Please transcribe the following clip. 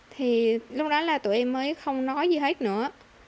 thì lúc đó là tụi em mới không nói gì hết nữa